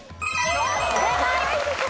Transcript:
正解！